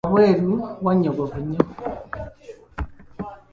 Wabweru wanyogovu nnyo?